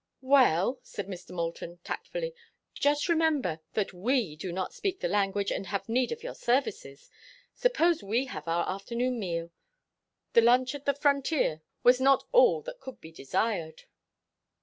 "Well," said Mr. Moulton, tactfully, "just remember that we do not speak the language and have need of your services. Suppose we have our afternoon meal? The lunch at the frontier was not all that could be desired."